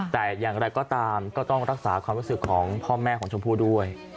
แต่อย่างไรก็ตามก็ต้องรักษาความรู้สึกของพ่อแม่ของชมพู่ด้วย